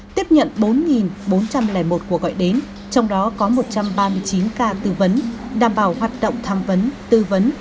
tiếp nhận bốn bốn trăm linh một cuộc gọi đến trong đó có một trăm ba mươi chín ca tư vấn đảm bảo hoạt động tham vấn tư vấn